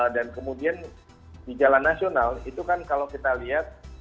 dan kemudian di jalan nasional itu kan kalau kita lihat